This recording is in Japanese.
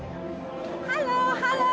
ハローハロー！